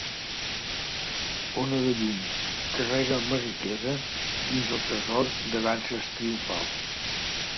Ona de llum, carrega ma riquesa dins del tresor de danses triomfals.